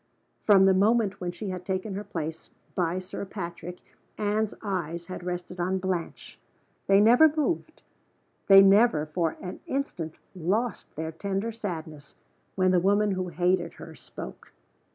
From the moment when she had taken her place by Sir Patrick, Anne's eyes had rested on Blanche. They never moved they never for an instant lost their tender sadness when the woman who hated her spoke.